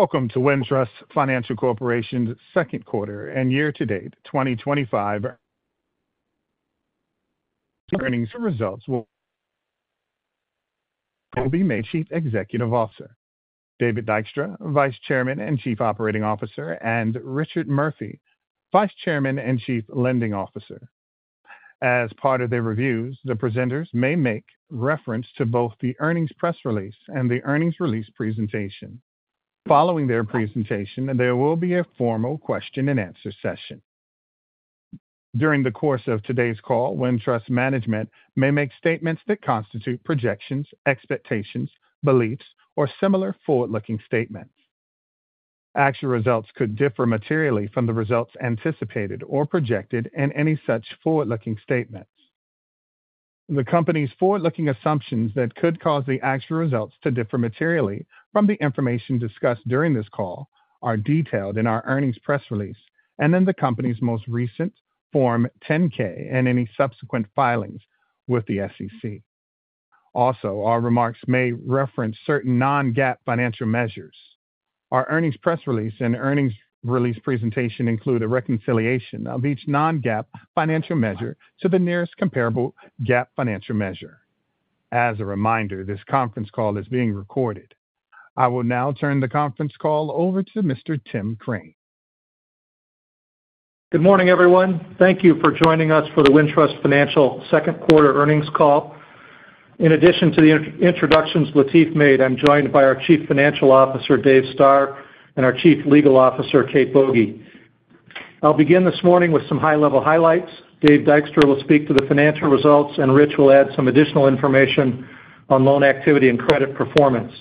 Welcome to Wintrust Financial Corporation's second quarter and year-to-date 2025 earnings and results. Present today will be Chief Executive Officer Tim Crane, David Dykstra, Vice Chairman and Chief Operating Officer, and Richard Murphy, Vice Chairman and Chief Lending Officer. As part of their reviews, the presenters may make reference to both the earnings press release and the earnings release presentation. Following their presentation, there will be a formal question and answer session. During the course of today's call, Wintrust Management may make statements that constitute projections, expectations, beliefs, or similar forward-looking statements. Actual results could differ materially from the results anticipated or projected in any such forward-looking statements. The company's forward-looking assumptions that could cause the actual results to differ materially from the information discussed during this call are detailed in our earnings press release and in the company's most recent Form 10-K and any subsequent filings with the SEC. Also, our remarks may reference certain non-GAAP financial measures. Our earnings press release and earnings release presentation include a reconciliation of each non-GAAP financial measure to the nearest comparable GAAP financial measure. As a reminder, this conference call is being recorded. I will now turn the conference call over to Mr. Tim Crane. Good morning, everyone. Thank you for joining us for the Wintrust Financial second quarter earnings call. In addition to the introductions Latif made, I'm joined by our Chief Financial Officer, Dave Stoehr, and our Chief Legal Officer, Kathleen Boege. I'll begin this morning with some high-level highlights. Dave Dykstra will speak to the financial results, and Rich will add some additional information on loan activity and credit performance.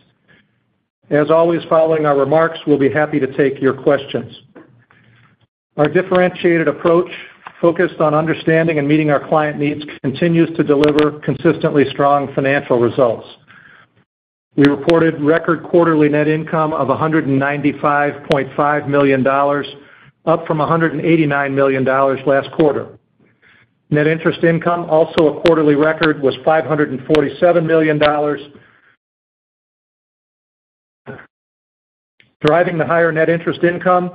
As always, following our remarks, we'll be happy to take your questions. Our differentiated approach, focused on understanding and meeting our client needs, continues to deliver consistently strong financial results. We reported record quarterly net income of $195.5 million, up from $189 million last quarter. Net Interest Income, also a quarterly record, was $547 million. Driving the higher Net Interest Income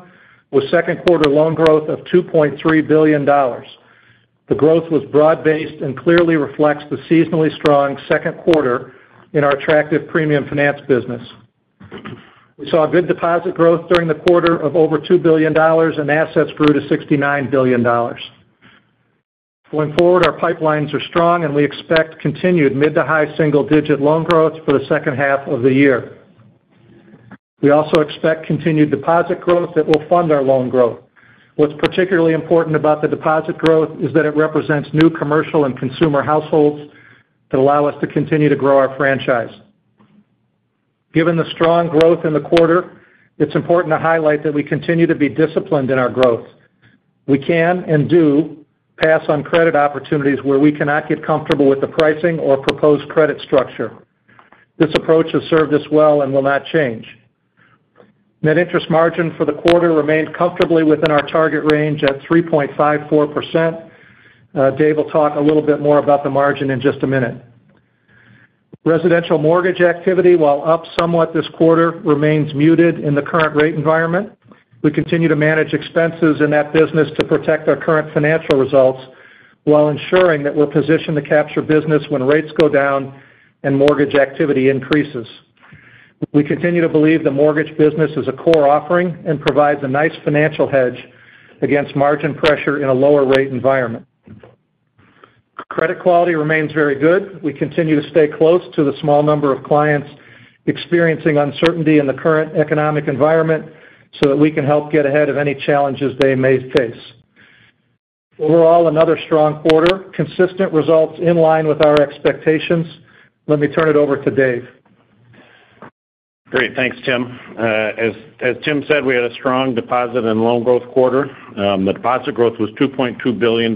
was second quarter loan growth of $2.3 billion. The growth was broad-based and clearly reflects the seasonally strong second quarter in our attractive Premium Finance business. We saw good deposit growth during the quarter of over $2 billion, and assets grew to $69 billion. Going forward, our pipelines are strong, and we expect continued mid-to-high single-digit loan growth for the second half of the year. We also expect continued deposit growth that will fund our loan growth. What's particularly important about the deposit growth is that it represents new commercial and consumer households that allow us to continue to grow our franchise. Given the strong growth in the quarter, it's important to highlight that we continue to be disciplined in our growth. We can and do pass on credit opportunities where we cannot get comfortable with the pricing or proposed credit structure. This approach has served us well and will not change. Net Interest Margin for the quarter remained comfortably within our target range at 3.54%. Dave will talk a little bit more about the margin in just a minute. Residential mortgage activity, while up somewhat this quarter, remains muted in the current rate environment. We continue to manage expenses in that business to protect our current financial results while ensuring that we're positioned to capture business when rates go down and mortgage activity increases. We continue to believe the mortgage business is a core offering and provides a nice financial hedge against margin pressure in a lower rate environment. Credit quality remains very good. We continue to stay close to the small number of clients experiencing uncertainty in the current economic environment so that we can help get ahead of any challenges they may face. Overall, another strong quarter, consistent results in line with our expectations. Let me turn it over to Dave. Great, thanks, Tim. As Tim said, we had a strong deposit and loan growth quarter. The deposit growth was $2.2 billion,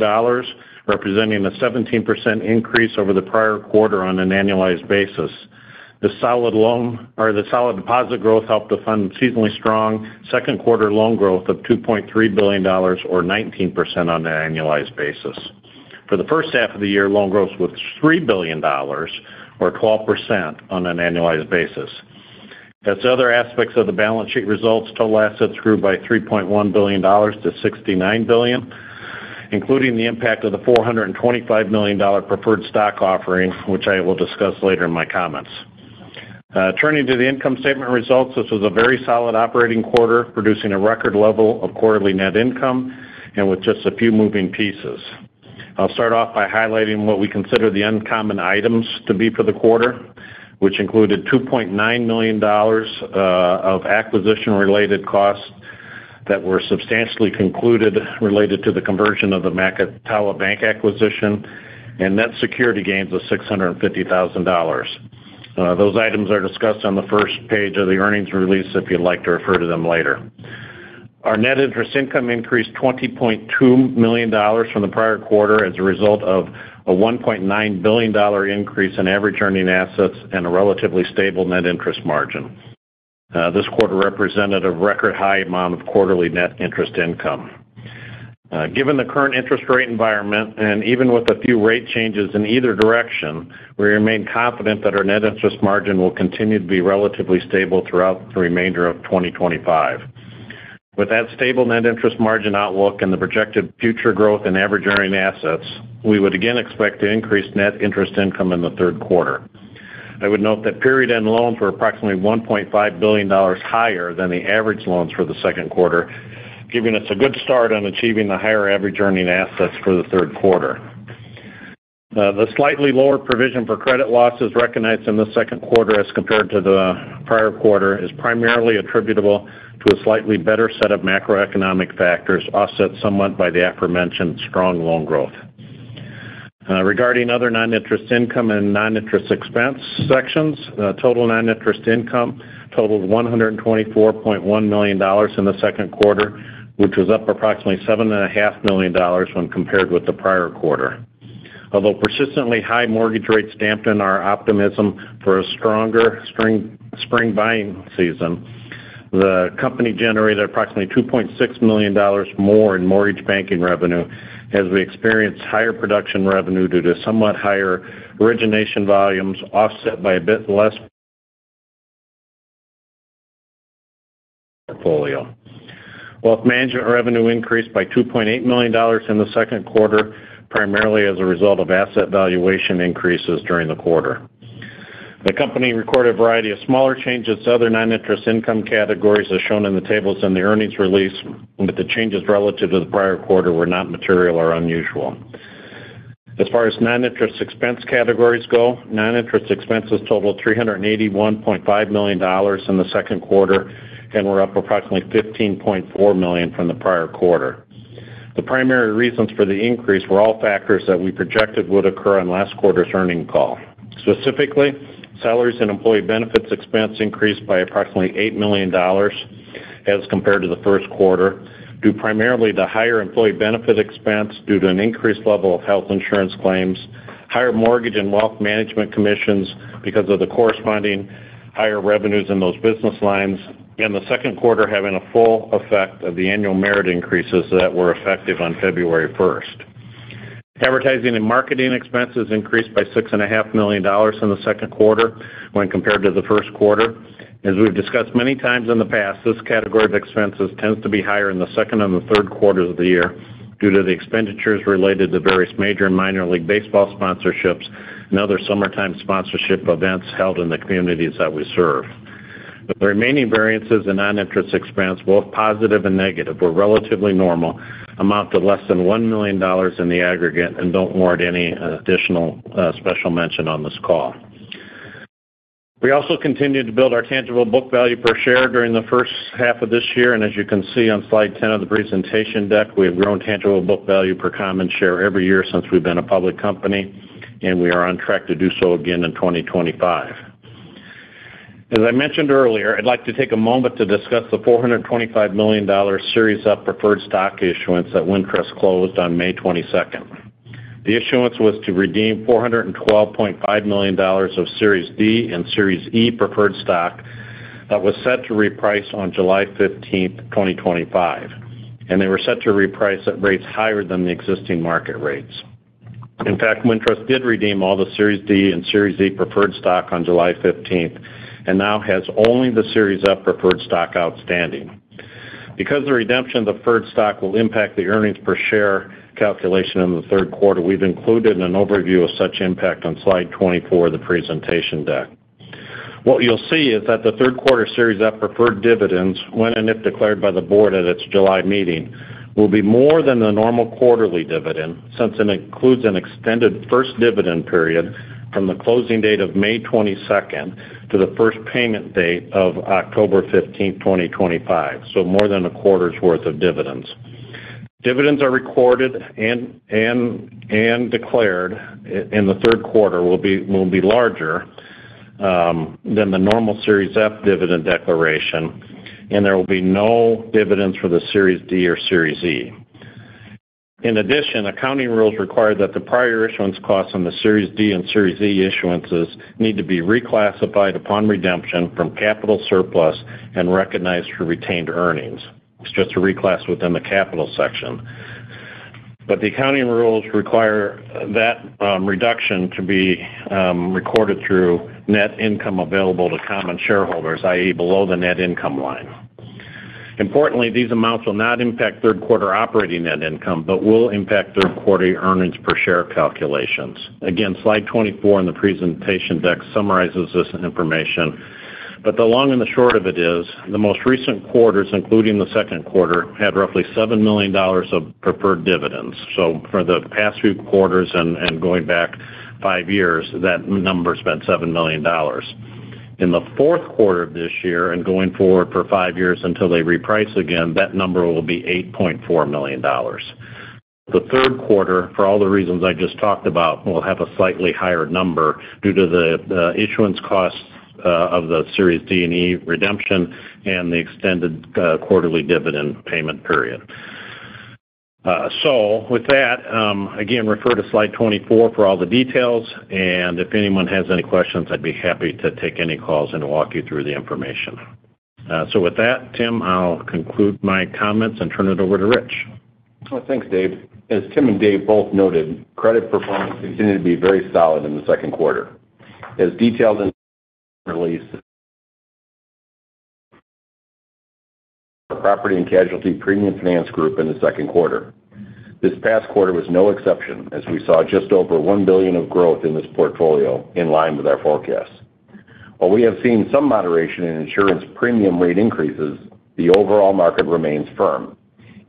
representing a 17% increase over the prior quarter on an annualized basis. The solid deposit growth helped to fund seasonally strong second quarter loan growth of $2.3 billion, or 19% on an annualized basis. For the first half of the year, loan growth was $3 billion, or 12% on an annualized basis. As other aspects of the balance sheet result, total assets grew by $3.1 billion to $69 billion, including the impact of the $425 million preferred stock offering, which I will discuss later in my comments. Turning to the income statement results, this was a very solid operating quarter, producing a record level of quarterly net income and with just a few moving pieces. I'll start off by highlighting what we consider the uncommon items to be for the quarter, which included $2.9 million of acquisition-related costs that were substantially concluded related to the conversion of the Macatawa Bank acquisition and net security gains of $650,000. Those items are discussed on the first page of the earnings release if you'd like to refer to them later. Our Net Interest Income increased $20.2 million from the prior quarter as a result of a $1.9 billion increase in average earning assets and a relatively stable Net Interest Margin. This quarter represented a record high amount of quarterly Net Interest Income. Given the current interest rate environment and even with a few rate changes in either direction, we remain confident that our Net Interest Margin will continue to be relatively stable throughout the remainder of 2025. With that stable Net Interest Margin outlook and the projected future growth in average earning assets, we would again expect to increase Net Interest Income in the third quarter. I would note that period-end loans were approximately $1.5 billion higher than the average loans for the second quarter, giving us a good start on achieving the higher average earning assets for the third quarter. The slightly lower provision for credit losses recognized in the second quarter as compared to the prior quarter is primarily attributable to a slightly better set of macroeconomic factors offset somewhat by the aforementioned strong loan growth. Regarding other Noninterest Income and non-interest expense sections, the total Noninterest Income totaled $124.1 million in the second quarter, which was up approximately $7.5 million when compared with the prior quarter. Although persistently high mortgage rates dampen our optimism for a stronger spring buying season, the company generated approximately $2.6 million more in mortgage banking revenue as we experienced higher production revenue due to somewhat higher origination volumes offset by a bit less portfolio. Wealth management revenue increased by $2.8 million in the second quarter, primarily as a result of asset valuation increases during the quarter. The company recorded a variety of smaller changes to other Noninterest Income categories as shown in the tables in the earnings release, but the changes relative to the prior quarter were not material or unusual. As far as non-interest expense categories go, Noninterest Expenses totaled $381.5 million in the second quarter and were up approximately $15.4 million from the prior quarter. The primary reasons for the increase were all factors that we projected would occur on last quarter's earnings call. Specifically, salaries and employee benefits expense increased by approximately $8 million as compared to the first quarter, due primarily to higher employee benefit expense due to an increased level of health insurance claims, higher mortgage and wealth management commissions because of the corresponding higher revenues in those business lines, and the second quarter having a full effect of the annual merit increases that were effective on February 1. Advertising and marketing expenses increased by $6.5 million in the second quarter when compared to the first quarter. As we've discussed many times in the past, this category of expenses tends to be higher in the second and the third quarters of the year due to the expenditures related to various major and minor league baseball sponsorships and other summertime sponsorship events held in the communities that we serve. The remaining variances in non-interest expense, both positive and negative, were relatively normal, amount to less than $1 million in the aggregate, and don't warrant any additional special mention on this call. We also continued to build our Tangible Book Value per share during the first half of this year, and as you can see on slide 10 of the presentation deck, we have grown Tangible Book Value per common share every year since we've been a public company, and we are on track to do so again in 2025. As I mentioned earlier, I'd like to take a moment to discuss the $425 million Series F Preferred Stock issuance that Wintrust closed on May 22nd. The issuance was to redeem $412.5 million of Series D and Series E Preferred Stock that was set to reprice on July 15th, 2025, and they were set to reprice at rates higher than the existing market rates. In fact, Wintrust did redeem all the Series D and Series E Preferred Stock on July 15th and now has only the Series F Preferred Stock outstanding. Because the redemption of the preferred stock will impact the earnings per share calculation in the third quarter, we've included an overview of such impact on slide 24 of the presentation deck. What you'll see is that the third quarter Series F preferred dividends, when and if declared by the board at its July meeting, will be more than the normal quarterly dividend since it includes an extended first dividend period from the closing date of May 22nd to the first payment date of October 15th, 2025, so more than a quarter's worth of dividends. Dividends are recorded and declared in the third quarter will be larger than the normal Series F dividend declaration, and there will be no dividends for the Series D or Series E. In addition, accounting rules require that the prior issuance costs on the Series D and Series E issuances need to be reclassified upon redemption from capital surplus and recognized for retained earnings. It's just a reclass within the capital section. The accounting rules require that reduction to be recorded through net income available to common shareholders, i.e., below the net income line. Importantly, these amounts will not impact third quarter operating net income but will impact third quarter earnings per share calculations. Slide 24 in the presentation deck summarizes this information. The long and the short of it is the most recent quarters, including the second quarter, had roughly $7 million of preferred dividends. For the past few quarters and going back five years, that number's been $7 million. In the fourth quarter of this year and going forward for five years until they reprice again, that number will be $8.4 million. The third quarter, for all the reasons I just talked about, will have a slightly higher number due to the issuance costs of the Series D and E redemption and the extended quarterly dividend payment period. With that, again, refer to slide 24 for all the details, and if anyone has any questions, I'd be happy to take any calls and walk you through the information. With that, Tim, I'll conclude my comments and turn it over to Rich. Thanks, Dave. As Tim and Dave both noted, credit performance continued to be very solid in the second quarter. As detailed in the release of property and casualty Premium Finance group in the second quarter, this past quarter was no exception, as we saw just over $1 billion of growth in this portfolio in line with our forecast. While we have seen some moderation in insurance premium rate increases, the overall market remains firm.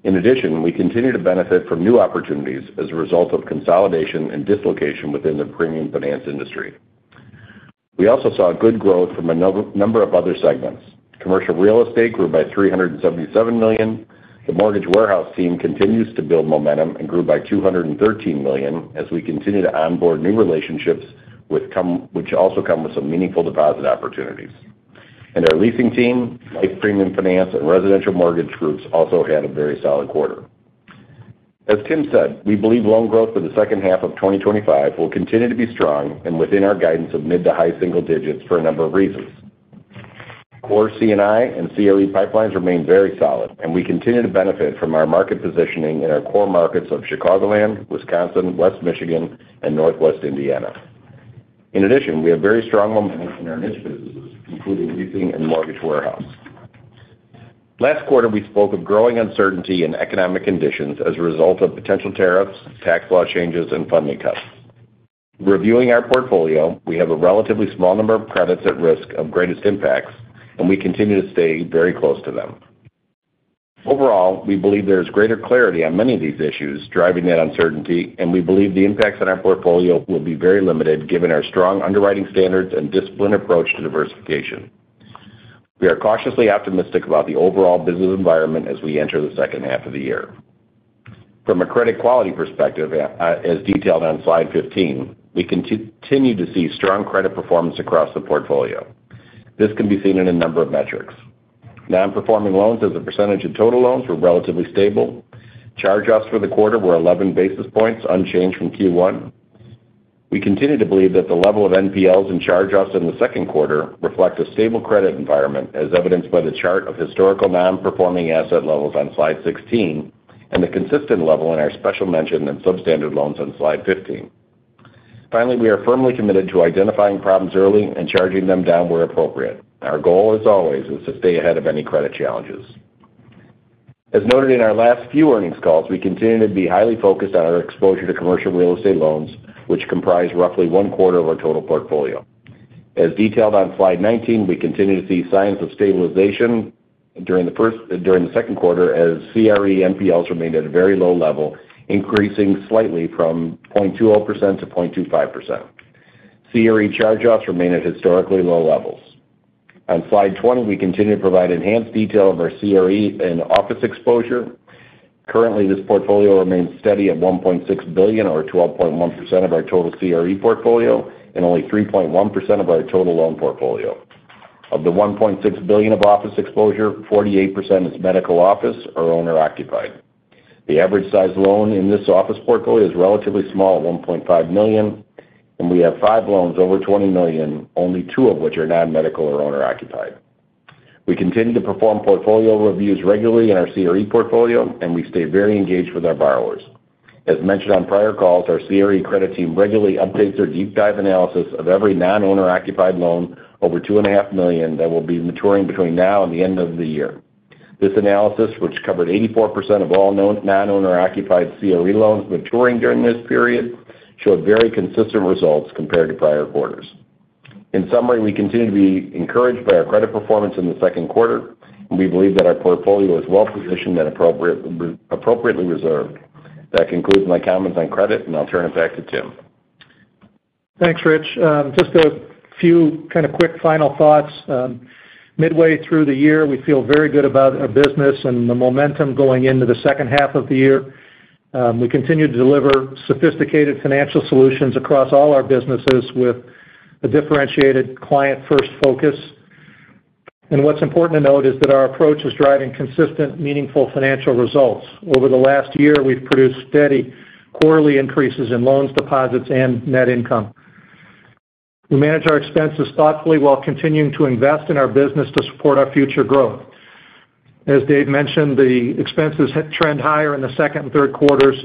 In addition, we continue to benefit from new opportunities as a result of consolidation and dislocation within the Premium Finance industry. We also saw good growth from a number of other segments. Commercial Real Estate grew by $377 million. The mortgage warehouse team continues to build momentum and grew by $213 million as we continue to onboard new relationships, which also come with some meaningful deposit opportunities. Our leasing team, life Premium Finance, and residential mortgage groups also had a very solid quarter. As Tim said, we believe loan growth for the second half of 2025 will continue to be strong and within our guidance of mid-to-high single digits for a number of reasons. Core C&I and CRE pipelines remain very solid, and we continue to benefit from our market positioning in our core markets of Chicagoland, Wisconsin, West Michigan, and Northwest Indiana. In addition, we have very strong momentum in our niche businesses, including leasing and mortgage warehouse. Last quarter, we spoke of growing uncertainty in economic conditions as a result of potential tariffs, tax law changes, and funding cuts. Reviewing our portfolio, we have a relatively small number of credits at risk of greatest impacts, and we continue to stay very close to them. Overall, we believe there is greater clarity on many of these issues driving that uncertainty, and we believe the impacts on our portfolio will be very limited given our strong underwriting standards and disciplined approach to diversification. We are cautiously optimistic about the overall business environment as we enter the second half of the year. From a credit quality perspective, as detailed on slide 15, we continue to see strong credit performance across the portfolio. This can be seen in a number of metrics. Non-Performing Loans as a % of total loans were relatively stable. Charge-offs for the quarter were 11 basis points, unchanged from Q1. We continue to believe that the level of NPLs and charge-offs in the second quarter reflects a stable credit environment, as evidenced by the chart of historical non-performing asset levels on slide 16 and the consistent level in our special mention and substandard loans on slide 15. Finally, we are firmly committed to identifying problems early and charging them down where appropriate. Our goal, as always, is to stay ahead of any credit challenges. As noted in our last few earnings calls, we continue to be highly focused on our exposure to Commercial Real Estate loans, which comprise roughly one quarter of our total portfolio. As detailed on slide 19, we continue to see signs of stabilization during the second quarter as CRE NPLs remained at a very low level, increasing slightly from 0.20% to 0.25%. CRE charge-offs remain at historically low levels. On slide 20, we continue to provide enhanced detail of our CRE and office exposure. Currently, this portfolio remains steady at $1.6 billion, or 12.1% of our total CRE portfolio, and only 3.1% of our total loan portfolio. Of the $1.6 billion of office exposure, 48% is medical office or owner-occupied. The average size loan in this office portfolio is relatively small at $1.5 million, and we have five loans over $20 million, only two of which are non-medical or owner-occupied. We continue to perform portfolio reviews regularly in our CRE portfolio, and we stay very engaged with our borrowers. As mentioned on prior calls, our CRE credit team regularly updates their deep dive analysis of every non-owner-occupied loan over $2.5 million that will be maturing between now and the end of the year. This analysis, which covered 84% of all non-owner-occupied CRE loans maturing during this period, showed very consistent results compared to prior quarters. In summary, we continue to be encouraged by our credit performance in the second quarter, and we believe that our portfolio is well-positioned and appropriately reserved. That concludes my comments on credit, and I'll turn it back to Tim. Thanks, Rich. Just a few kind of quick final thoughts. Midway through the year, we feel very good about our business and the momentum going into the second half of the year. We continue to deliver sophisticated financial solutions across all our businesses with a differentiated client-first focus. What's important to note is that our approach is driving consistent, meaningful financial results. Over the last year, we've produced steady quarterly increases in loans, deposits, and net income. We manage our expenses thoughtfully while continuing to invest in our business to support our future growth. As Dave mentioned, the expenses trend higher in the second and third quarters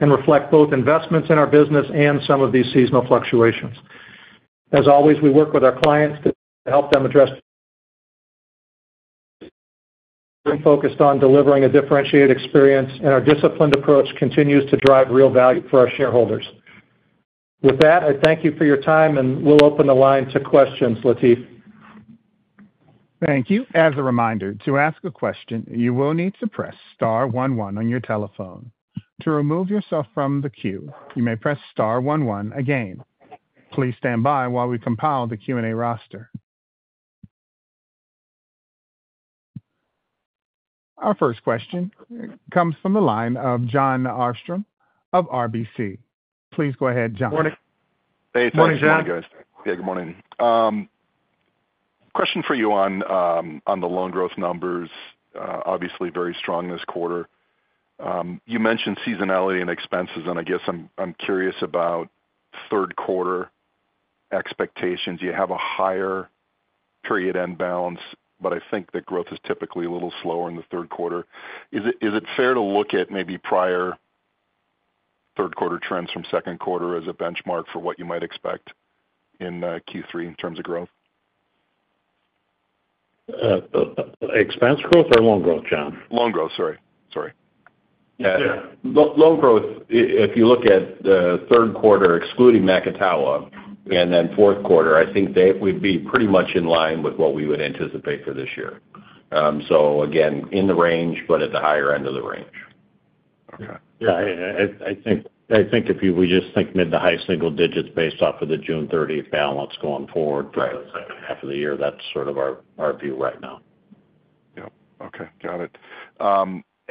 and reflect both investments in our business and some of these seasonal fluctuations. As always, we work with our clients to help them address focused on delivering a differentiated experience, and our disciplined approach continues to drive real value for our shareholders. With that, I thank you for your time, and we'll open the line to questions, Latif. Thank you. As a reminder, to ask a question, you will need to press star one one on your telephone. To remove yourself from the queue, you may press star one one again. Please stand by while we compile the Q&A roster. Our first question comes from the line of Jon Arfstrom of RBC. Please go ahead, Jon. Morning. Morning, Jon. Hey, thanks for having us. Yeah, good morning. Question for you on the loan growth numbers. Obviously, very strong this quarter. You mentioned seasonality and expenses, and I guess I'm curious about third quarter expectations. You have a higher period end balance, but I think that growth is typically a little slower in the third quarter. Is it fair to look at maybe prior third quarter trends from second quarter as a benchmark for what you might expect in Q3 in terms of growth? Expense growth or loan growth, Jon? Loan growth, sorry. Yeah. Loan growth, if you look at the third quarter excluding Macatawa, and then fourth quarter, I think that we'd be pretty much in line with what we would anticipate for this year, in the range, but at the higher end of the range. Okay. I think if you just think mid-to-high single digits based off of the June 30th balance going forward for the second half of the year, that's sort of our view right now. Yeah. Okay. Got it.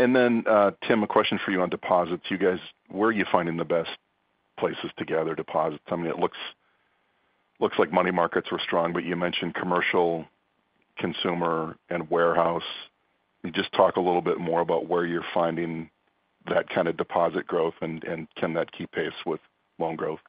Tim, a question for you on deposits. You guys, where are you finding the best places to gather deposits? I mean, it looks like money markets were strong, but you mentioned commercial, consumer, and warehouse. Can you just talk a little bit more about where you're finding that kind of deposit growth and can that keep pace with loan growth?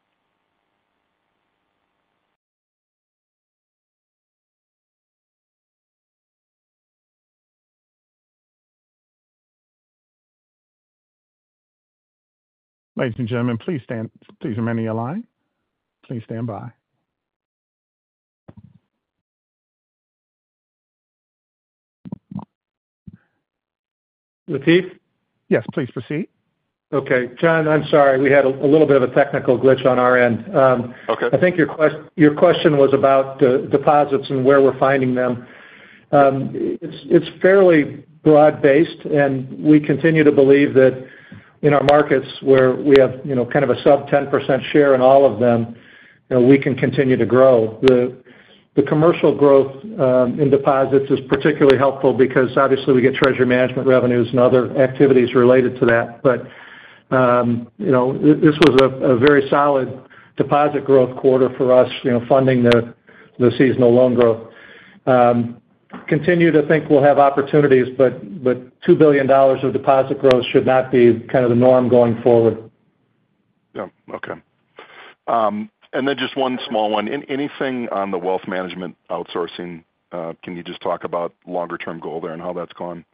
Ladies and gentlemen, please stand by. Please remain in your line. Please stand by. Latif? Yes, please proceed. Okay, Jon, I'm sorry. We had a little bit of a technical glitch on our end. Okay. I think your question was about deposits and where we're finding them. It's fairly broad-based, and we continue to believe that in our markets where we have, you know, kind of a sub-10% share in all of them, we can continue to grow. The commercial growth in deposits is particularly helpful because obviously we get treasury management revenues and other activities related to that. This was a very solid deposit growth quarter for us, funding the seasonal loan growth. Continue to think we'll have opportunities, but $2 billion of deposit growth should not be kind of the norm going forward. Okay. Anything on the wealth management outsourcing? Can you just talk about the longer-term goal there and how that's gone?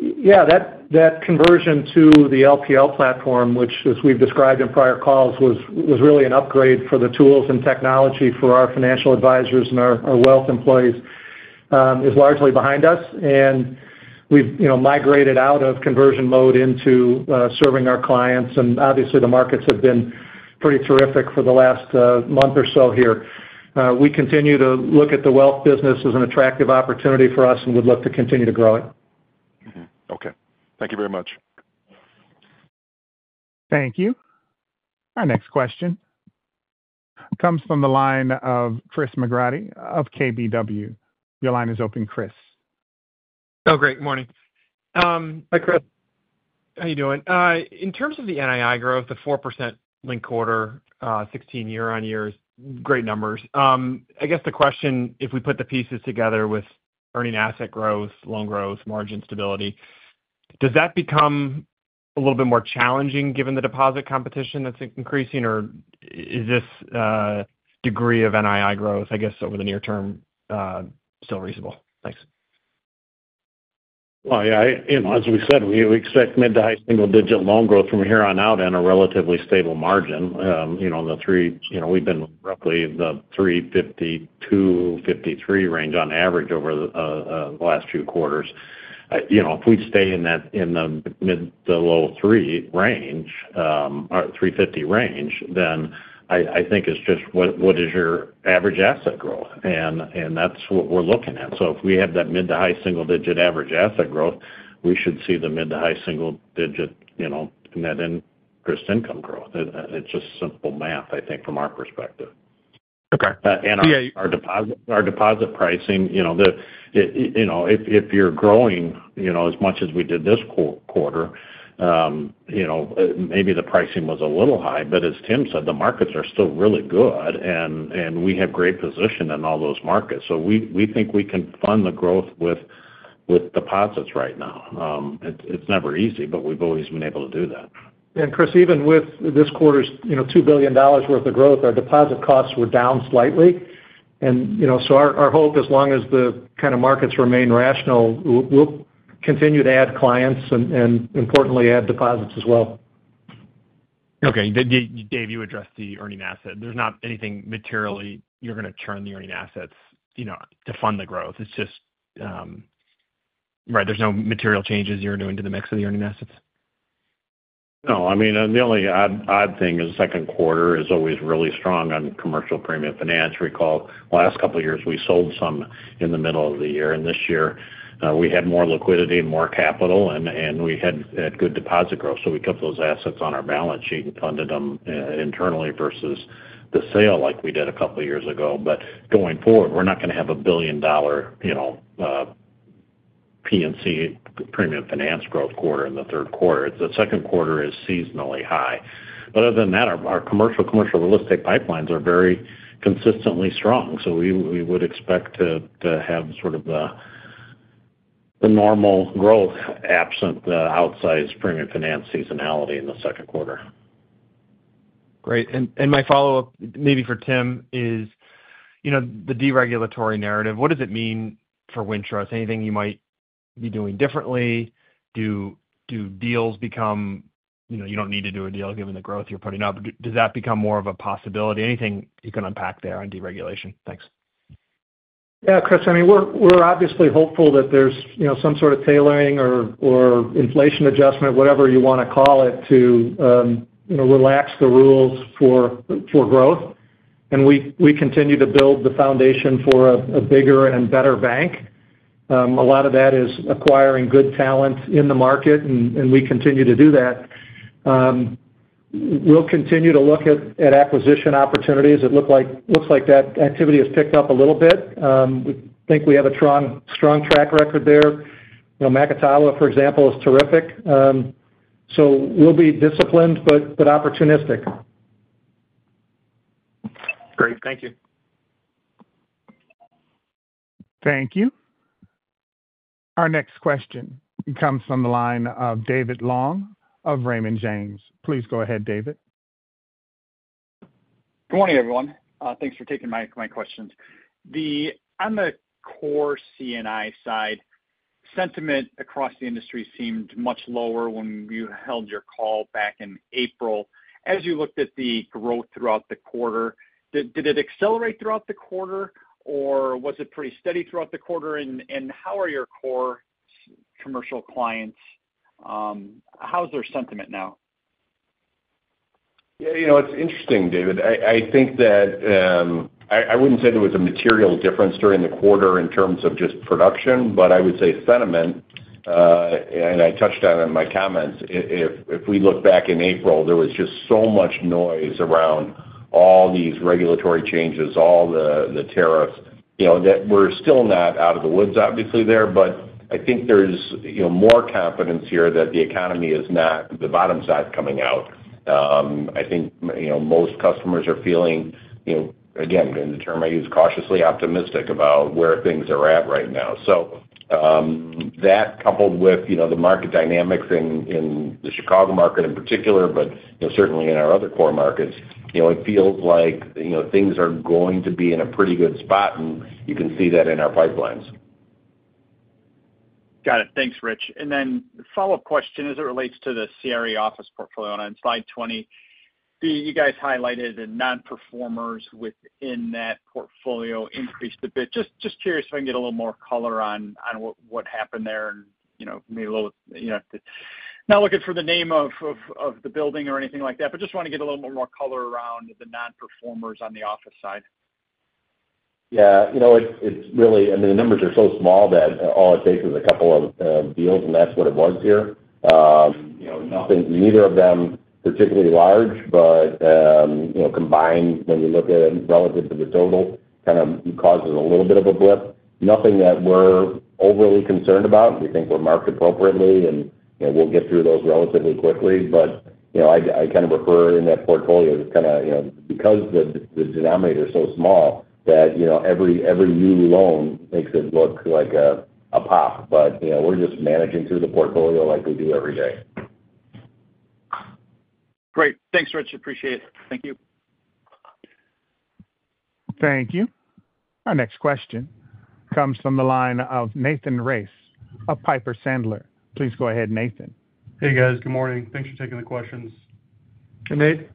Yeah. That conversion to the LPL platform, which, as we've described in prior calls, was really an upgrade for the tools and technology for our financial advisors and our wealth employees, is largely behind us. We've migrated out of conversion mode into serving our clients, and obviously the markets have been pretty terrific for the last month or so here. We continue to look at the wealth business as an attractive opportunity for us and would look to continue to grow it. Okay, thank you very much. Thank you. Our next question comes from the line of Christopher McGratty of KBW. Your line is open, Chris. Oh, great. Morning. Hi, Chris. How are you doing? In terms of the NII growth, the 4% link quarter, 16% year on year, great numbers. I guess the question, if we put the pieces together with earning asset growth, loan growth, margin stability, does that become a little bit more challenging given the deposit competition that's increasing, or is this degree of NII growth, I guess, over the near term, still reasonable? Thanks. As we said, we expect mid-to-high single-digit loan growth from here on out and a relatively stable margin. In the three, we've been roughly in the 3.52, 3.53 range on average over the last few quarters. If we stay in that in the mid to low three range, our 3.50 range, then I think it's just what is your average asset growth? That's what we're looking at. If we have that mid-to-high single-digit average asset growth, we should see the mid-to-high single-digit Net Interest Income growth. It's just simple math, I think, from our perspective. Okay. Our deposit pricing, you know, if you're growing, you know, as much as we did this quarter, maybe the pricing was a little high, but as Tim said, the markets are still really good, and we have great position in all those markets. We think we can fund the growth with deposits right now. It's never easy, but we've always been able to do that. Chris, even with this quarter's $2 billion worth of growth, our deposit costs were down slightly. Our hope, as long as the kind of markets remain rational, we'll continue to add clients and, importantly, add deposits as well. Okay. Dave, you addressed the earning asset. There's not anything materially you're going to turn the earning assets to fund the growth. It's just, right, there's no material changes you're doing to the mix of the earning assets? No, I mean, the only odd thing is the second quarter is always really strong on commercial Premium Finance. Recall, the last couple of years, we sold some in the middle of the year, and this year, we had more liquidity and more capital, and we had good deposit growth. We kept those assets on our balance sheet and funded them internally versus the sale like we did a couple of years ago. Going forward, we're not going to have a $1 billion P&C Premium Finance growth quarter in the third quarter. The second quarter is seasonally high. Other than that, our Commercial Real Estate pipelines are very consistently strong. We would expect to have sort of the normal growth absent the outsized Premium Finance seasonality in the second quarter. Great. My follow-up maybe for Tim is, you know, the deregulatory narrative, what does it mean for Wintrust? Anything you might be doing differently? Do deals become, you know, you don't need to do a deal given the growth you're putting up? Does that become more of a possibility? Anything you can unpack there on deregulation? Thanks. Yeah, Chris, I mean, we're obviously hopeful that there's, you know, some sort of tailoring or inflation adjustment, whatever you want to call it, to relax the rules for growth. We continue to build the foundation for a bigger and better bank. A lot of that is acquiring good talent in the market, and we continue to do that. We'll continue to look at acquisition opportunities. It looks like that activity has picked up a little bit. We think we have a strong track record there. Macatawa, for example, is terrific. We'll be disciplined but opportunistic. Great, thank you. Thank you. Our next question comes from the line of David Long of Raymond James. Please go ahead, David. Good morning, everyone. Thanks for taking my questions. On the Core C&I side, sentiment across the industry seemed much lower when you held your call back in April. As you looked at the growth throughout the quarter, did it accelerate throughout the quarter, or was it pretty steady throughout the quarter? How are your core commercial clients? How's their sentiment now? Yeah, you know, it's interesting, David. I think that I wouldn't say there was a material difference during the quarter in terms of just production, but I would say sentiment, and I touched on it in my comments. If we look back in April, there was just so much noise around all these regulatory changes, all the tariffs, you know, that we're still not out of the woods, obviously, there. I think there's more confidence here that the economy is not the bottom side coming out. I think most customers are feeling, again, in the term I use, cautiously optimistic about where things are at right now. That, coupled with the market dynamics in the Chicago market in particular, but certainly in our other core markets, feels like things are going to be in a pretty good spot, and you can see that in our pipelines. Got it. Thanks, Rich. The follow-up question as it relates to the CRE office portfolio. On slide 20, you guys highlighted the non-performers within that portfolio increased a bit. Just curious if I can get a little more color on what happened there. Maybe a little with, you know, not looking for the name of the building or anything like that, but just want to get a little more color around the non-performers on the office side. Yeah. It's really, I mean, the numbers are so small that all it takes is a couple of deals, and that's what it was here. Nothing, neither of them particularly large, but combined, when you look at it relative to the total, kind of causes a little bit of a blip. Nothing that we're overly concerned about. We think we're marked appropriately, and we'll get through those relatively quickly. I kind of refer in that portfolio as kind of, you know, because the denominator is so small that every new loan makes it look like a pop. We're just managing through the portfolio like we do every day. Great. Thanks, Rich. Appreciate it. Thank you. Thank you. Our next question comes from the line of Nathan Race of Piper Sandler. Please go ahead, Nathan. Hey, guys. Good morning. Thanks for taking the questions. Hey, Nate.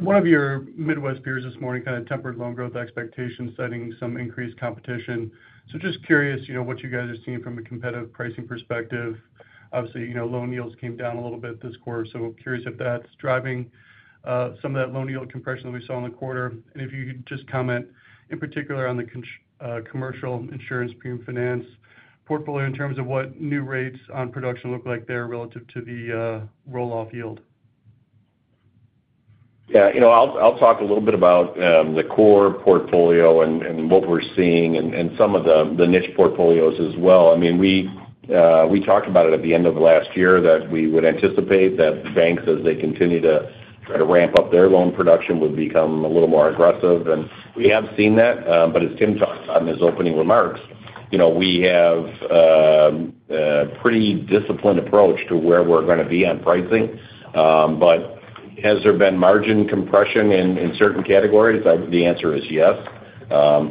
One of your Midwest peers this morning kind of tempered loan growth expectations, citing some increased competition. Just curious, you know, what you guys are seeing from a competitive pricing perspective. Obviously, you know, loan yields came down a little bit this quarter. I'm curious if that's driving some of that loan yield compression that we saw in the quarter. If you could just comment in particular on the commercial insurance Premium Finance portfolio in terms of what new rates on production look like there relative to the roll-off yield. Yeah. I'll talk a little bit about the core portfolio and what we're seeing and some of the niche portfolios as well. We talked about it at the end of last year that we would anticipate that banks, as they continue to try to ramp up their loan production, would become a little more aggressive. We have seen that. As Tim talked about in his opening remarks, we have a pretty disciplined approach to where we're going to be on pricing. Has there been margin compression in certain categories? The answer is yes.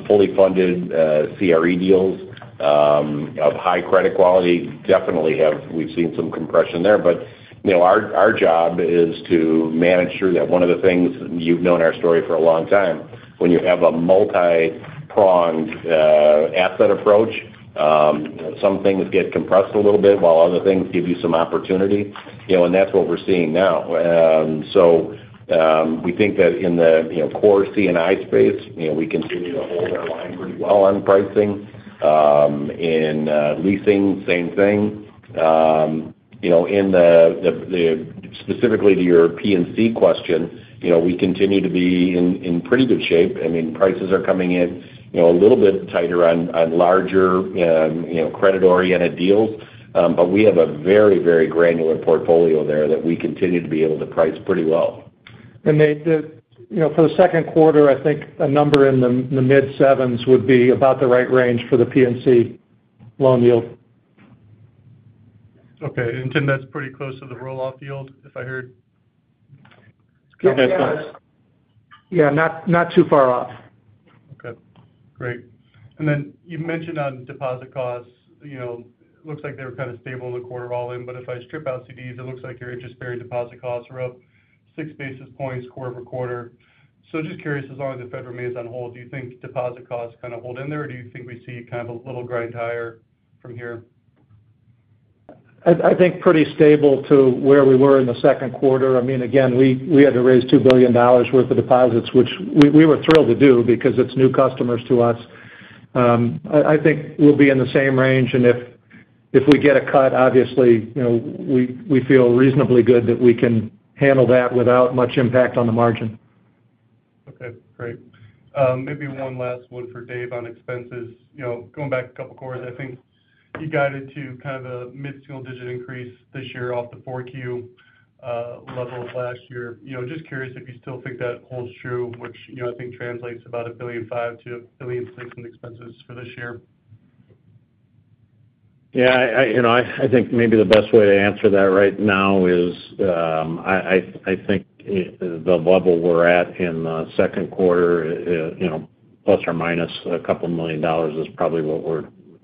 Fully funded CRE deals of high credit quality definitely have, we've seen some compression there. Our job is to manage through that. One of the things, you've known our story for a long time, when you have a multi-pronged asset approach, some things get compressed a little bit while other things give you some opportunity. That's what we're seeing now. We think that in the Core C&I space, we continue to hold our line pretty well on pricing. In leasing, same thing. Specifically to your property and casualty question, we continue to be in pretty good shape. Prices are coming in a little bit tighter on larger, credit-oriented deals. We have a very, very granular portfolio there that we continue to be able to price pretty well. Nate, for the second quarter, I think a number in the mid-7% range would be about the right range for the P&C loan yield. Okay. Tim, that's pretty close to the roll-off yield, if I heard? Yeah, not too far off. Okay. Great. You mentioned on deposit costs, it looks like they were kind of stable in the quarter all in. If I strip out CDs, it looks like your interest-bearing deposit costs were up 6 basis points quarter over quarter. Just curious, as long as the Fed remains on hold, do you think deposit costs kind of hold in there, or do you think we see kind of a little grind higher from here? I think pretty stable to where we were in the second quarter. I mean, again, we had to raise $2 billion worth of deposits, which we were thrilled to do because it's new customers to us. I think we'll be in the same range. If we get a cut, obviously, you know, we feel reasonably good that we can handle that without much impact on the margin. Okay. Great. Maybe one last one for Dave on expenses. Going back a couple of quarters, I think you guided to kind of a mid-single-digit increase this year off the fourth quarter level of last year. Just curious if you still think that holds true, which I think translates to about $1.5 billion to $1.6 billion in expenses for this year. Yeah. I think maybe the best way to answer that right now is, I think the level we're at in the second quarter, plus or minus a couple of million dollars, is probably what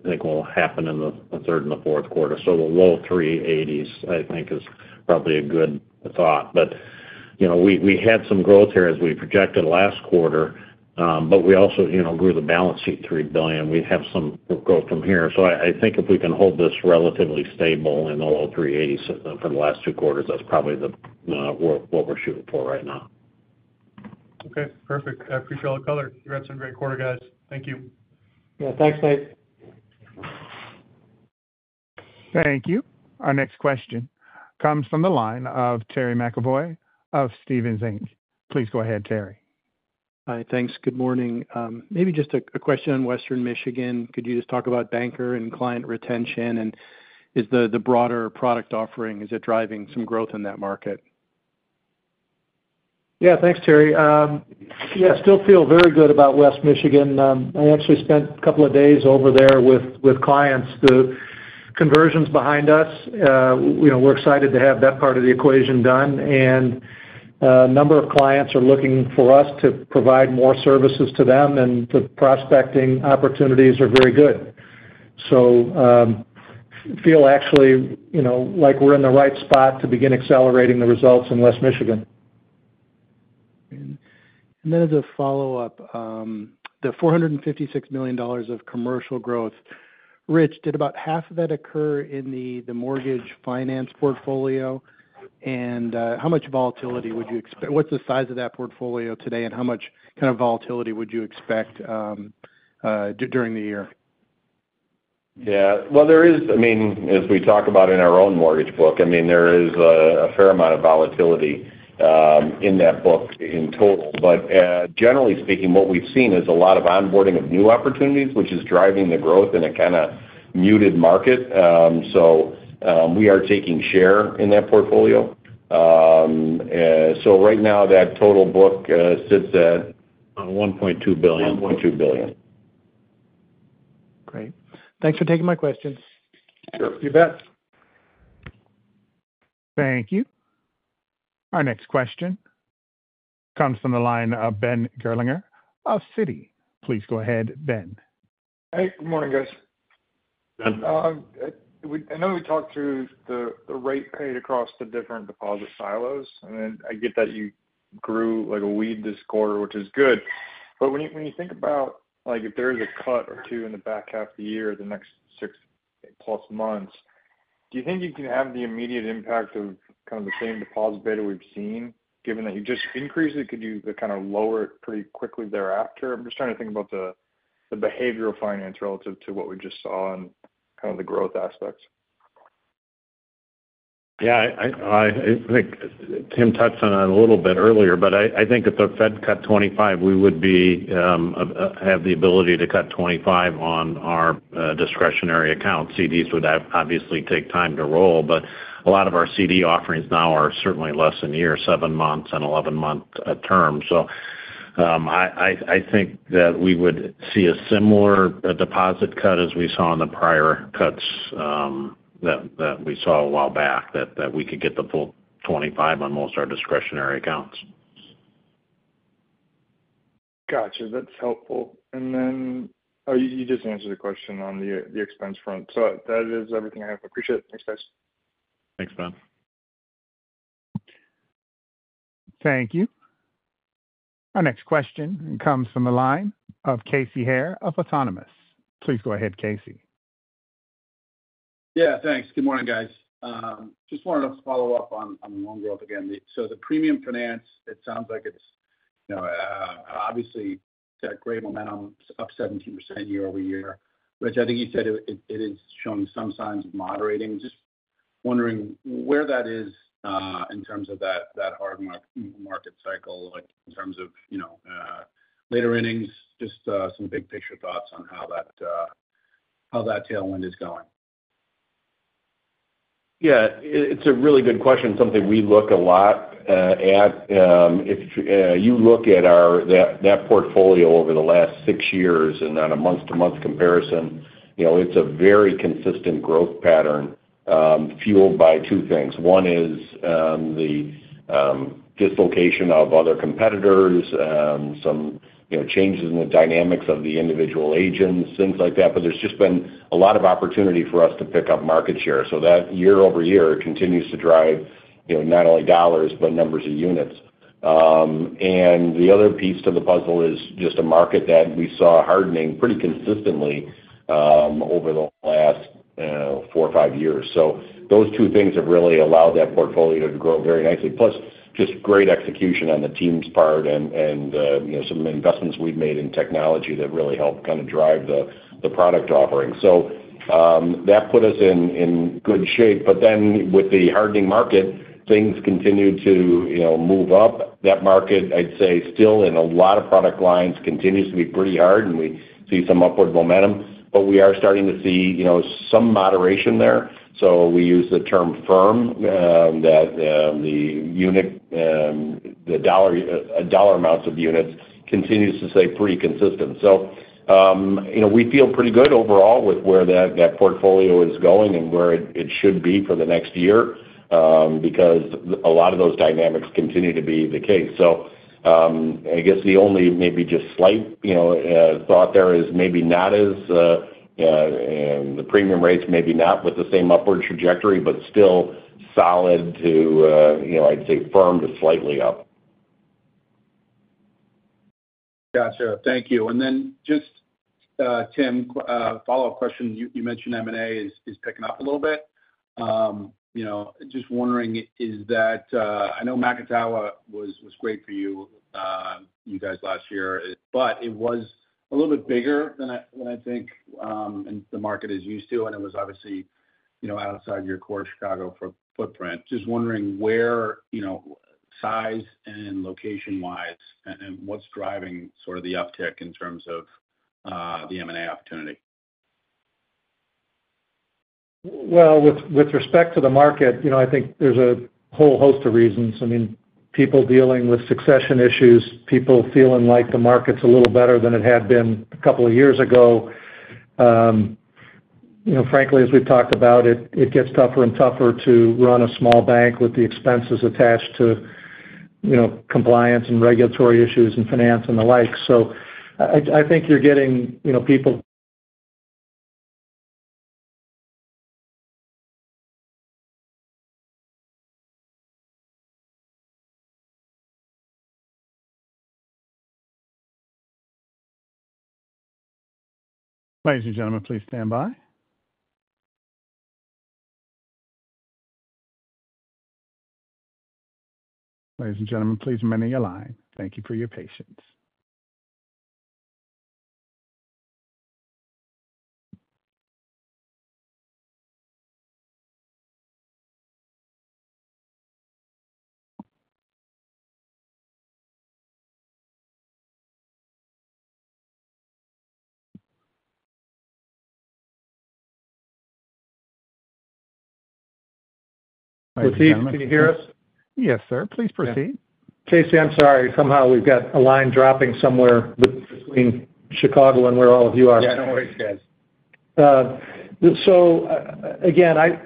we think will happen in the third and the fourth quarter. The low $380 million, I think, is probably a good thought. We had some growth here as we projected last quarter, but we also grew the balance sheet $3 billion. We have some growth from here. I think if we can hold this relatively stable in the low $380 million for the last two quarters, that's probably what we're shooting for right now. Okay. Perfect. I appreciate all the color. You've had some great quarters, guys. Thank you. Yeah. Thanks, Nate. Thank you. Our next question comes from the line of Terry McEvoy of Stephens Inc. Please go ahead, Terry. Hi. Thanks. Good morning. Maybe just a question on West Michigan. Could you just talk about banker and client retention, and is the broader product offering, is it driving some growth in that market? Yeah, thanks, Terry. I still feel very good about West Michigan. I actually spent a couple of days over there with clients. The conversion is behind us, you know, we're excited to have that part of the equation done. A number of clients are looking for us to provide more services to them, and the prospecting opportunities are very good. I feel actually, you know, like we're in the right spot to begin accelerating the results in West Michigan. As a follow-up, the $456 million of commercial growth, Rich, did about half of that occur in the mortgage finance portfolio? How much volatility would you expect? What's the size of that portfolio today, and how much kind of volatility would you expect during the year? Yeah. There is, I mean, as we talk about in our own mortgage book, there is a fair amount of volatility in that book in total. Generally speaking, what we've seen is a lot of onboarding of new opportunities, which is driving the growth in a kind of muted market. We are taking share in that portfolio. Right now, that total book sits at. $1.2 billion. $1.2 billion. Great. Thanks for taking my questions. Sure. You bet. Thank you. Our next question comes from the line of Benjamin Gerlinger of Citi. Please go ahead, Ben. Hey, good morning, guys. Ben. I know we talked through the rate paid across the different deposit silos, and I get that you grew like a weed this quarter, which is good. When you think about if there is a cut or two in the back half of the year or the next 6+ months, do you think you can have the immediate impact of kind of the same deposit beta we've seen given that you just increased it? Could you kind of lower it pretty quickly thereafter? I'm just trying to think about the behavioral finance relative to what we just saw and kind of the growth aspects. I think Tim touched on it a little bit earlier, but I think if the Fed cut 25, we would have the ability to cut 25 on our discretionary accounts. CDs would obviously take time to roll, but a lot of our CD offerings now are certainly less than a year, 7-month and 11-month terms. I think that we would see a similar deposit cut as we saw in the prior cuts that we saw a while back, that we could get the full 25 on most of our discretionary accounts. Gotcha. That's helpful. You just answered the question on the expense front. That is everything I have. I appreciate it. Thanks, guys. Thanks, Ben. Thank you. Our next question comes from the line of Casey Hare of Autonomous. Please go ahead, Casey. Yeah, thanks. Good morning, guys. Just wanted to follow up on loan growth again. The Premium Finance, it sounds like it's obviously got great momentum, up 17% year-over-year, which I think you said is showing some signs of moderating. Just wondering where that is in terms of that hard market cycle, like in terms of later earnings, just some big-picture thoughts on how that tailwind is going. Yeah. It's a really good question, something we look a lot at. If you look at that portfolio over the last six years and on a month-to-month comparison, it's a very consistent growth pattern fueled by two things. One is the dislocation of other competitors, some changes in the dynamics of the individual agents, things like that. There's just been a lot of opportunity for us to pick up market share. That year over year continues to drive not only dollars, but numbers of units. The other piece to the puzzle is just a market that we saw hardening pretty consistently over the last four or five years. Those two things have really allowed that portfolio to grow very nicely. Plus, just great execution on the team's part and some investments we've made in technology that really helped drive the product offering. That put us in good shape. With the hardening market, things continue to move up. That market, I'd say, still in a lot of product lines continues to be pretty hard, and we see some upward momentum. We are starting to see some moderation there. We use the term firm, that the unit, the dollar amounts of units continues to stay pretty consistent. We feel pretty good overall with where that portfolio is going and where it should be for the next year, because a lot of those dynamics continue to be the case. I guess the only maybe just slight thought there is maybe not as, the premium rates may be not with the same upward trajectory, but still solid to, I'd say, firm to slightly up. Gotcha. Thank you. Tim, follow-up question. You mentioned M&A is picking up a little bit. Just wondering, is that, I know Macatawa was great for you guys last year. It was a little bit bigger than I think the market is used to, and it was obviously outside your core Chicago footprint. Just wondering where, size and location-wise, and what's driving sort of the uptick in terms of the M&A opportunity? With respect to the market, I think there's a whole host of reasons. People are dealing with succession issues, people feeling like the market's a little better than it had been a couple of years ago. Frankly, as we've talked about, it gets tougher and tougher to run a small bank with the expenses attached to compliance and regulatory issues and finance and the like. I think you're getting people. Ladies and gentlemen, please stand by. Ladies and gentlemen, please remain in your line. Thank you for your patience. Casey, can you hear us? Yes, sir. Please proceed. Casey, I'm sorry. Somehow we've got a line dropping somewhere between Chicago and where all of you are. Yeah, no worries, guys.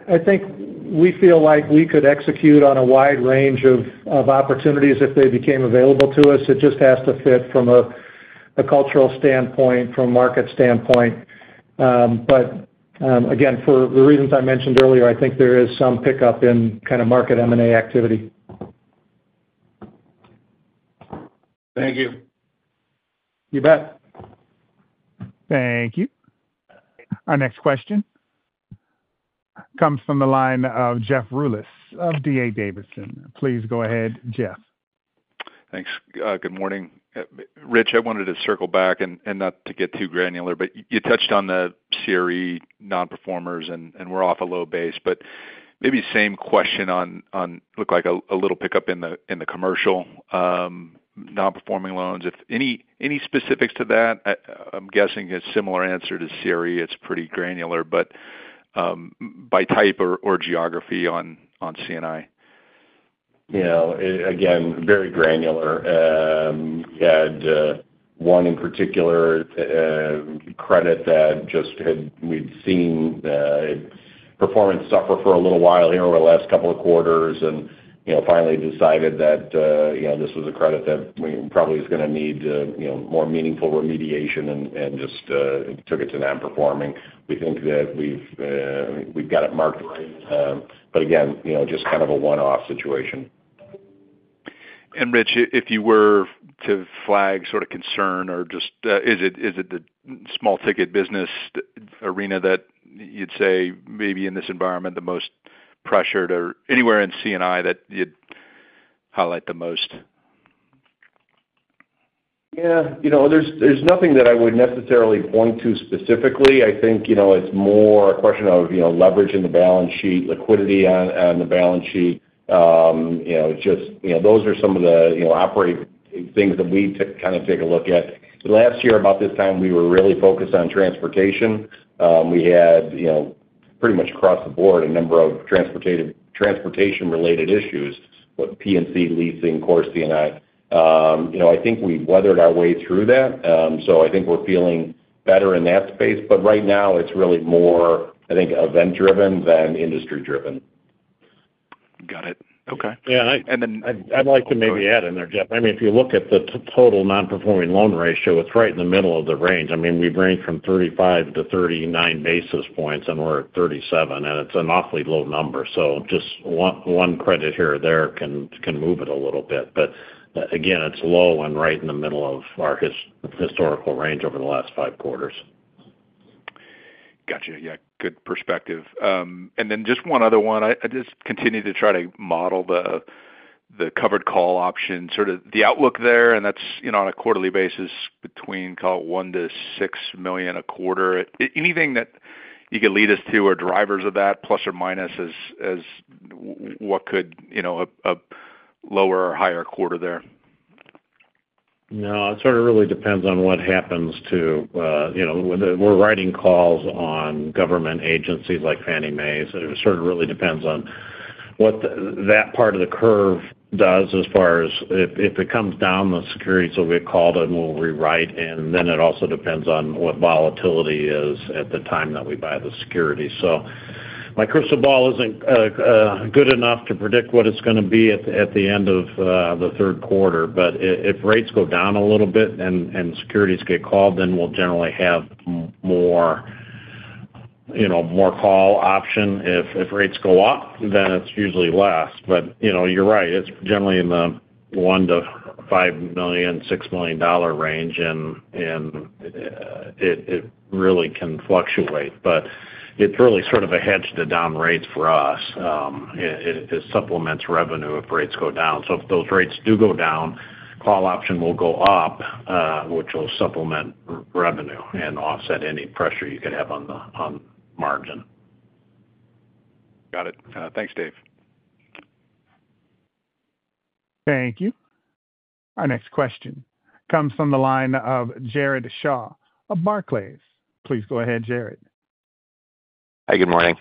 I think we feel like we could execute on a wide range of opportunities if they became available to us. It just has to fit from a cultural standpoint, from a market standpoint. For the reasons I mentioned earlier, I think there is some pickup in kind of market M&A activity. Thank you. You bet. Thank you. Our next question comes from the line of Jeffrey Rulis of D.A. Davidson. Please go ahead, Jeff. Thanks. Good morning. Rich, I wanted to circle back and not to get too granular, but you touched on the CRE non-performers, and we're off a low base. Maybe same question on, it looked like a little pickup in the commercial Non-Performing Loans. If any specifics to that, I'm guessing a similar answer to CRE. It's pretty granular, but by type or geography on C&I? Yeah. Again, very granular. We had one in particular credit that just had, we'd seen performance suffer for a little while here over the last couple of quarters, and, you know, finally decided that, you know, this was a credit that we probably was going to need, you know, more meaningful remediation and just took it to non-performing. We think that we've got it marked. Again, just kind of a one-off situation. Rich, if you were to flag sort of concern or just is it the small ticket business arena that you'd say maybe in this environment the most pressured or anywhere in C&I that you'd highlight the most? Yeah. There's nothing that I would necessarily point to specifically. I think it's more a question of leveraging the balance sheet, liquidity on the balance sheet. Those are some of the operating things that we kind of take a look at. Last year, about this time, we were really focused on transportation. We had pretty much across the board a number of transportation-related issues, with P&C leasing, Core C&I. I think we weathered our way through that. I think we're feeling better in that space. Right now, it's really more, I think, event-driven than industry-driven. Got it. Okay. Yeah. I'd like to maybe add in there, Jeff. If you look at the total non-performing loan ratio, it's right in the middle of the range. We've ranged from 35-39 basis points, and we're at 37, and it's an awfully low number. Just one credit here or there can move it a little bit. Again, it's low and right in the middle of our historical range over the last five quarters. Gotcha. Yeah. Good perspective. Just one other one. I continue to try to model the Covered Call Options, sort of the outlook there, and that's, you know, on a quarterly basis between, call it, $1 million to $6 million a quarter. Anything that you could lead us to or drivers of that plus or minus as what could, you know, a lower or higher quarter there? No. It really depends on what happens to, you know, we're writing calls on government agencies like Fannie Mae. It really depends on what that part of the curve does as far as if it comes down, the securities will get called and we'll rewrite. It also depends on what volatility is at the time that we buy the security. My crystal ball isn't good enough to predict what it's going to be at the end of the third quarter. If rates go down a little bit and securities get called, then we'll generally have more, you know, more call option. If rates go up, then it's usually less. You're right. It's generally in the $1 million-$5 million, $6 million range, and it really can fluctuate. It's really sort of a hedge to down rates for us. It supplements revenue if rates go down. If those rates do go down, call option will go up, which will supplement revenue and offset any pressure you could have on the margin. Got it. Thanks, Dave. Thank you. Our next question comes from the line of Jared Shaw of Barclays. Please go ahead, Jared. Hi. Good morning.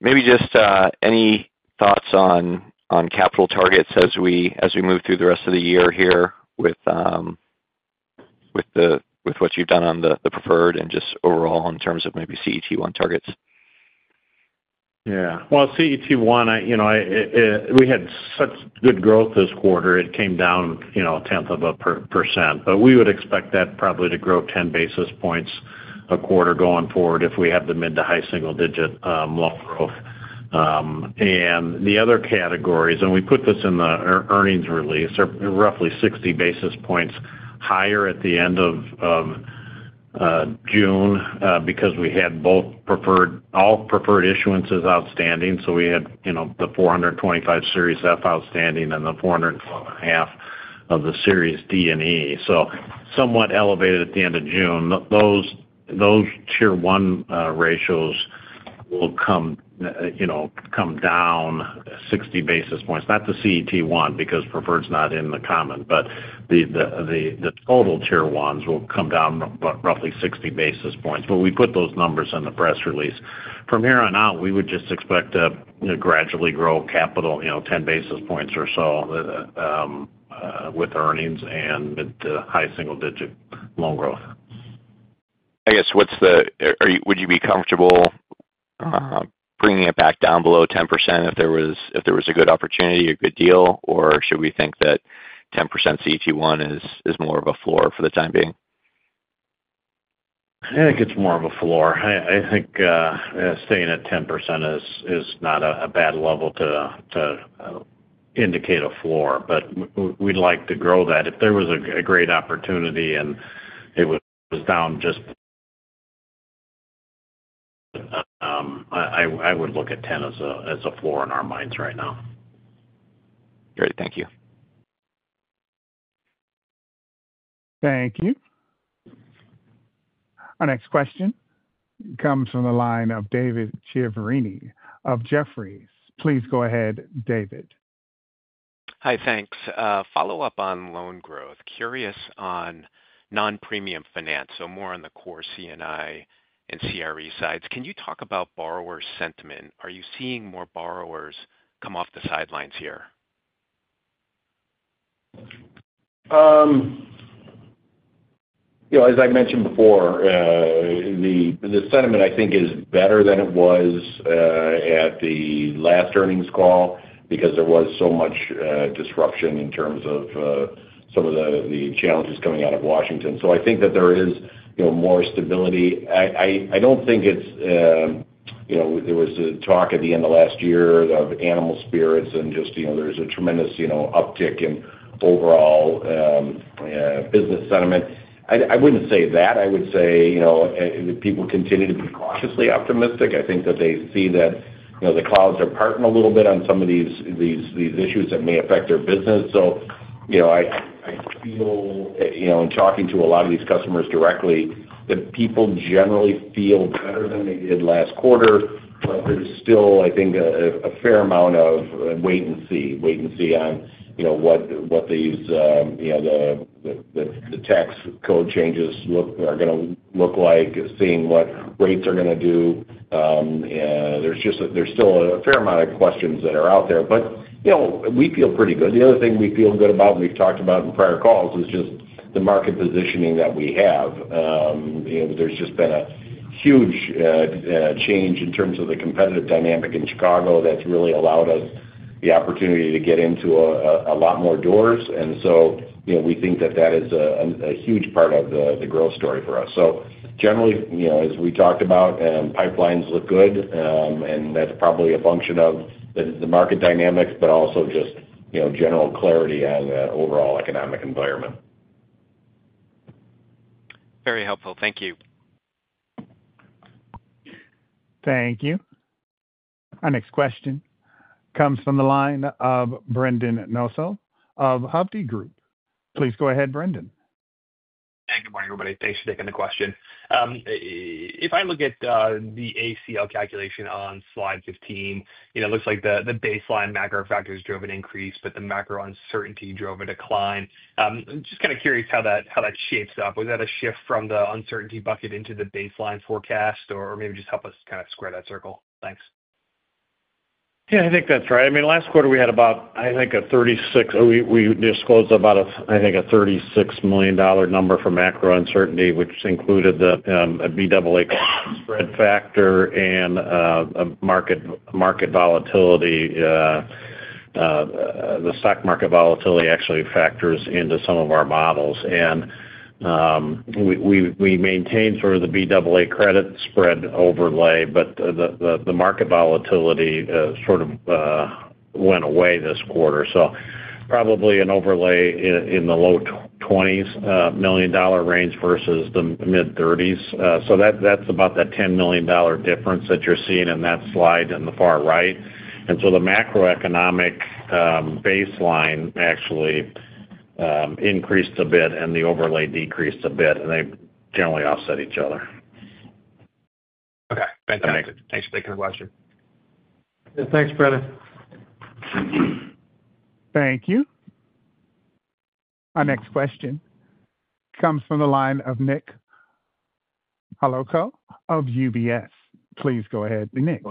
Maybe just any thoughts on capital targets as we move through the rest of the year here with what you've done on the preferred and just overall in terms of maybe CET1 targets? Yeah. CET1, you know, we had such good growth this quarter. It came down a tenth of a %. We would expect that probably to grow 10 basis points a quarter going forward if we have the mid-to-high single-digit loan growth. The other categories, and we put this in the earnings release, are roughly 60 basis points higher at the end of June because we had both preferred, all preferred issuances outstanding. We had the $425 million Series F outstanding and the $400.5 million of the Series D and E. Somewhat elevated at the end of June, those tier one ratios will come down 60 basis points. Not the CET1 because preferred's not in the common. The total tier ones will come down roughly 60 basis points. We put those numbers in the press release. From here on out, we would just expect to gradually grow capital, 10 basis points or so, with earnings and mid-to-high single-digit loan growth. I guess, are you comfortable bringing it back down below 10% if there was a good opportunity or a good deal, or should we think that 10% CET1 is more of a floor for the time being? I think it's more of a floor. I think staying at 10% is not a bad level to indicate a floor. We'd like to grow that. If there was a great opportunity and it was down, I would look at 10% as a floor in our minds right now. Great. Thank you. Thank you. Our next question comes from the line of David Chiaverini of Jefferies. Please go ahead, David. Hi. Thanks. Follow-up on loan growth. Curious on non-Premium Finance, so more on the Core C&I and CRE sides. Can you talk about borrower sentiment? Are you seeing more borrowers come off the sidelines here? As I mentioned before, the sentiment I think is better than it was at the last earnings call because there was so much disruption in terms of some of the challenges coming out of Washington. I think that there is more stability. I don't think it's, you know, there was a talk at the end of last year of animal spirits and just, you know, there's a tremendous uptick in overall business sentiment. I wouldn't say that. I would say people continue to be cautiously optimistic. I think that they see that the clouds are parting a little bit on some of these issues that may affect their business. I feel, in talking to a lot of these customers directly, that people generally feel better than they did last quarter, but there's still, I think, a fair amount of wait and see, wait and see on what these, you know, the tax code changes are going to look like, seeing what rates are going to do. There's still a fair amount of questions that are out there. We feel pretty good. The other thing we feel good about, and we've talked about in prior calls, is just the market positioning that we have. There's just been a huge change in terms of the competitive dynamic in Chicago that's really allowed us the opportunity to get into a lot more doors. We think that is a huge part of the growth story for us. Generally, as we talked about, pipelines look good, and that's probably a function of the market dynamics, but also just general clarity on the overall economic environment. Very helpful. Thank you. Thank you. Our next question comes from the line of Brendan Nosal of Hovde Group. Please go ahead, Brendan. Hi. Good morning, everybody. Thanks for taking the question. If I look at the ACL calculation on slide 15, it looks like the baseline macro factors drove an increase, but the macro uncertainty drove a decline. I'm just kind of curious how that shapes up. Was that a shift from the uncertainty bucket into the baseline forecast, or maybe just help us kind of square that circle? Thanks. Yeah, I think that's right. I mean, last quarter we had about, I think, a $36 million number for macro uncertainty, which BAA Credit Spread factor and market volatility. The stock market volatility actually factors into some of our models. We maintained sort of the BAA Credit Spread overlay, but the market volatility sort of went away this quarter. Probably an overlay in the low $20 million range versus the mid $30 million. That's about that $10 million difference that you're seeing in that slide in the far right. The macroeconomic baseline actually increased a bit, and the overlay decreased a bit, and they generally offset each other. Okay. Thanks, David. Thanks for taking the question. Yeah, thanks, Brendan. Thank you. Our next question comes from the line of Nicholas Holowko of UBS. Please go ahead, Nick.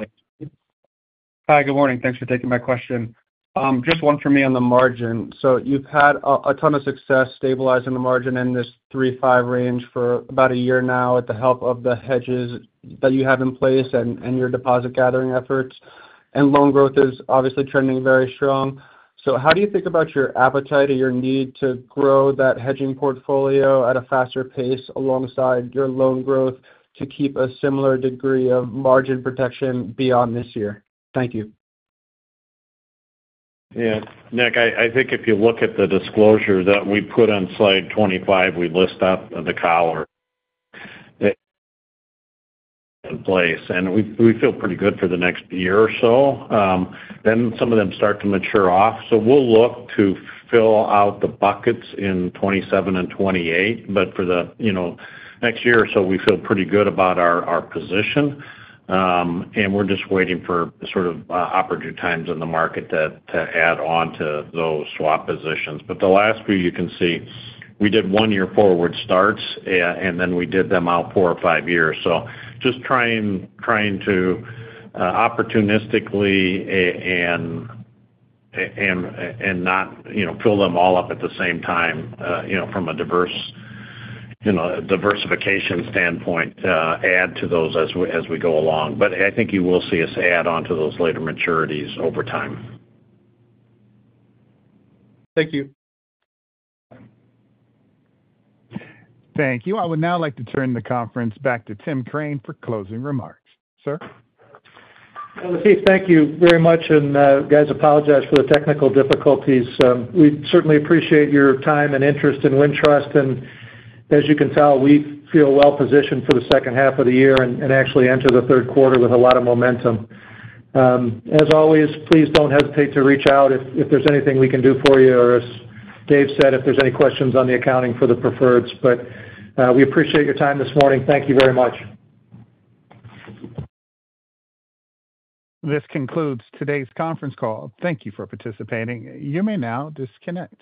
Hi. Good morning. Thanks for taking my question. Just one for me on the margin. You've had a ton of success stabilizing the margin in this 3%-5% range for about a year now with the help of the hedges that you have in place and your deposit gathering efforts. Loan growth is obviously trending very strong. How do you think about your appetite or your need to grow that hedging portfolio at a faster pace alongside your loan growth to keep a similar degree of margin protection beyond this year? Thank you. Yeah. Nick, I think if you look at the disclosures that we put on slide 25, we list out the collar in place. We feel pretty good for the next year or so. Then some of them start to mature off. We'll look to fill out the buckets in 2027 and 2028. For the next year or so, we feel pretty good about our position. We're just waiting for opportune times in the market to add on to those swap positions. The last few, you can see, we did one-year forward starts, and then we did them out four or five years. Just trying to opportunistically, and not fill them all up at the same time, from a diversification standpoint, add to those as we go along. I think you will see us add on to those later maturities over time. Thank you. Thank you. I would now like to turn the conference back to Tim Crane for closing remarks. Sir? Thank you very much. We certainly appreciate your time and interest in Wintrust. As you can tell, we feel well-positioned for the second half of the year and actually enter the third quarter with a lot of momentum. As always, please don't hesitate to reach out if there's anything we can do for you. If there's any questions on the accounting for the preferreds, as Dave said, we appreciate your time this morning. Thank you very much. This concludes today's conference call. Thank you for participating. You may now disconnect.